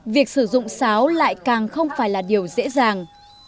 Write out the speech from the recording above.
việc sử dụng sáo lại càng không phải là điều dễ dàng